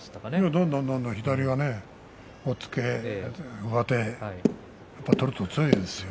どんどんどんどん左押っつけ、上手取ると強いですよ。